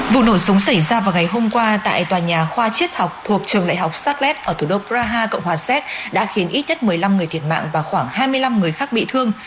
vụ nổ súng xảy ra vào ngày hôm qua tại tòa nhà khoa triết học thuộc trường đại học salet ở thủ đô praha cộng hòa séc đã khiến ít nhất một mươi năm người thiệt mạng và khoảng hai mươi năm người khác bị thương